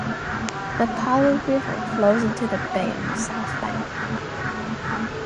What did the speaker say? The Palu River flows into the bay on the south bank.